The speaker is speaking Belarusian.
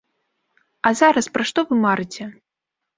А зараз пра што вы марыце?